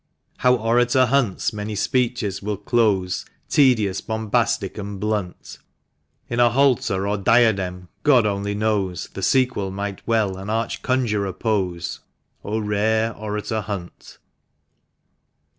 How Orator Hunt's many speeches will close Tedious, bombastic, and blunt— In a halter or diadem, God only knows : The sequel might well an arch conjurer pose. O rare Orator Hunt